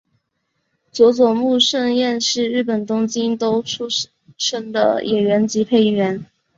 佐佐木胜彦是日本东京都出身的演员及配音员。